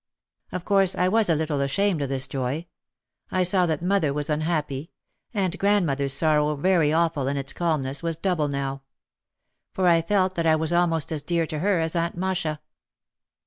Of course I was a little ashamed of this joy. I saw that mother was unhappy. And grandmother's sorrow, very awful, in its calmness, was double now. For I felt that I was almost as dear to her as Aunt Masha.